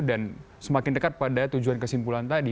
dan semakin dekat pada tujuan kesimpulan tadi